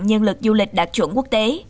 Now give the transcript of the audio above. nhân lực du lịch đạt chuẩn quốc tế